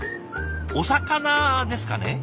お魚ですかね？